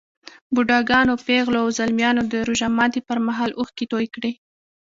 بوډاګانو، پېغلو او ځلمیانو د روژه ماتي پر مهال اوښکې توی کړې.